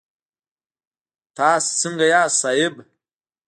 تاسو سنګه یاست صاحبه